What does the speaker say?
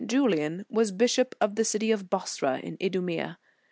Julian was bishop of the city of Bosra in Idumea.